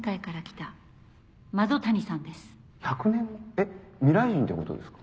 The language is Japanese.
えっ未来人ってことですか？